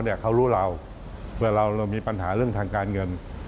เวลาเรามีปัญหาเรื่องทางการเงิน